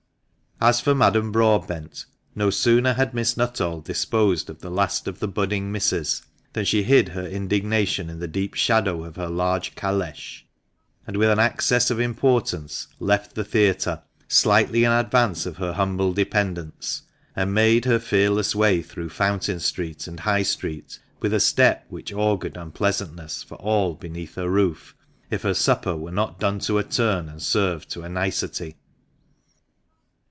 As for Madame Broadbent, no sooner had Miss Nuttall disposed of the last of the budding misses than she hid her indignation in the deep shadow of her large calesh, and with an access of importance, left the theatre, slightly in advance of her humble dependants, and made her fearless way through Fountain Street and High Street, with a step which augured unpleasantness for all beneath her roof if her supper were not done to a turn and served to a nicety.